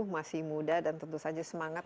masih muda dan tentu saja semangat